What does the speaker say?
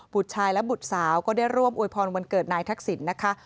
ชายและบุตรสาวก็ได้ร่วมอวยพรวันเกิดนายทักษิณนะคะ